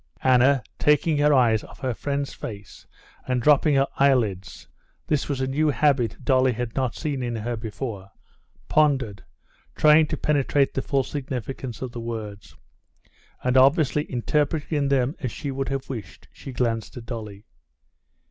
Anna, taking her eyes off her friend's face and dropping her eyelids (this was a new habit Dolly had not seen in her before), pondered, trying to penetrate the full significance of the words. And obviously interpreting them as she would have wished, she glanced at Dolly.